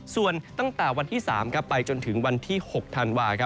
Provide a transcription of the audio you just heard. ส่วนตั้งแต่วันที่๓ไปจนถึงวันที่๖ธันวา